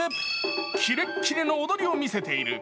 キレッキレの踊りを見せている。